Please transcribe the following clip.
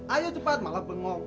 ayo cepat malah pengok